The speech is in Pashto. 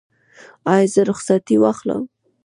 ایا زه رخصتي واخلم؟